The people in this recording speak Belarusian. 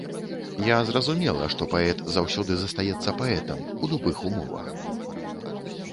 Я зразумела, што паэт заўсёды застаецца паэтам, у любых умовах.